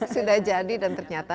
sudah jadi dan ternyata